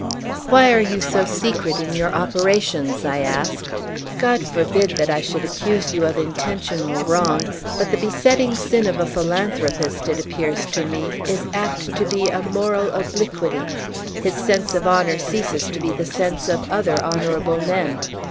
"Why are you so secret in your operations?" I asked. "God forbid that I should accuse you of intentional wrong; but the besetting sin of a philanthropist, it appears to me, is apt to be a moral obliquity. His sense of honor ceases to be the sense of other honorable men.